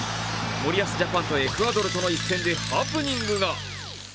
森保ジャパンとエクアドルとの一戦でハプニングが。